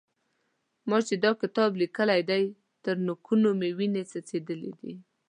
ما چې دا کتاب لیکلی دی؛ تر نوکانو مې وينې څڅېدلې دي.